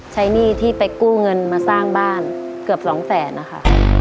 หนี้ที่ไปกู้เงินมาสร้างบ้านเกือบสองแสนนะคะ